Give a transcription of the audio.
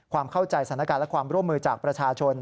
ความเข้าใจสถานการณ์และความร่วมมือจากประชาชน